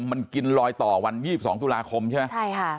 มันกินลอยต่อวัน๒๒ตุลาคมใช่ไหมใช่ค่ะ